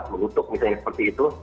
mengutuk misalnya seperti itu